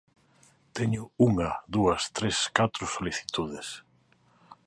Teño unha, dúas, tres, catro solicitudes.